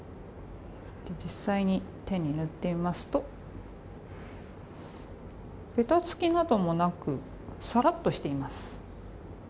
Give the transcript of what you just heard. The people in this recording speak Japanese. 実際に手に塗ってみますとべたつきなどもなくさらっとしています。